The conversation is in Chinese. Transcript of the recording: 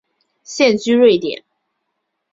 现居瑞典。